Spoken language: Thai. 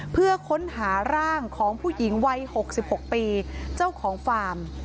เพื่อค้นหาร่างของผู้หญิงวัย๖๖ปีเจ้าของฟาร์ม